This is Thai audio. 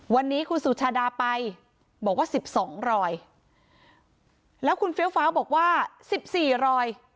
วันนี้คุณสุชาดาไปบอกว่าสิบสองรอยแล้วคุณเฟี้ยวฟ้าวบอกว่าสิบสี่รอย